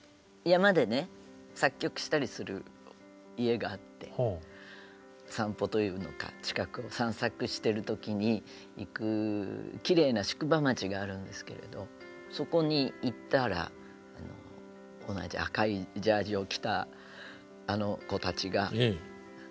山でね作曲したりする家があって散歩というのか近くを散策してる時に行くきれいな宿場町があるんですけれどそこに行ったら同じ赤いジャージーを着たあの子たちが絵を描いてたんですよ。